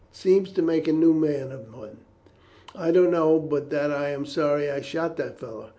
It seems to make a new man of one. I don't know but that I am sorry I shot that fellow.